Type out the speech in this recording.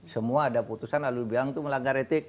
semua ada putusan lalu bilang itu melanggar etik